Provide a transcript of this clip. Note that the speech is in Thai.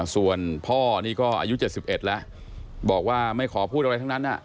ส่วนพ่อนี่ก็อายุ๗๑แล้วบอกว่าไม่ขอพูดอะไรทั้งนั้น